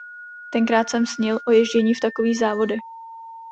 Tenkrát jsem snil o ježdění v takových závodech.